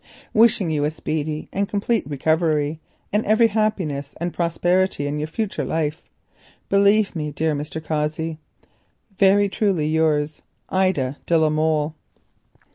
Wishing you a speedy and complete recovery, and every happiness and prosperity in your future life, believe me, dear Mr. Cossey, "Very truly yours, "Ida de la Molle."